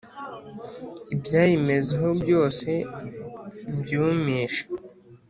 ibyayimezeho byose mbyumishe ;